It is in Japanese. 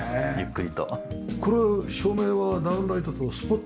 これは照明はダウンライトとスポット？